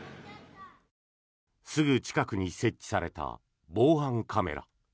すぐ近くに設置された防犯カメラ。